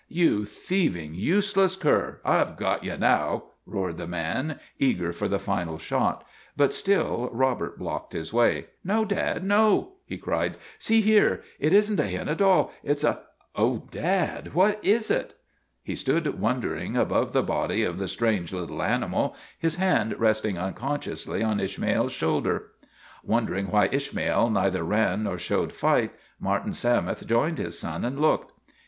You thieving, useless cur, I Ve got you now !' 124 ISHMAEL roared the man, eager for the final shot; but still Robert blocked his way. " No, Dad, no !" he cried. " See here ! It is n't a hen at all. It's a oh, Dad, what is it? ' He stood wondering above the body of the strange little animal, his hand resting unconsciously on Ishmael's shoulder. Wondering why Ishmael neither ran nor showed fight, Martin Sammis joined his son and looked.